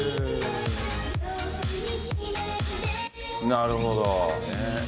なるほど。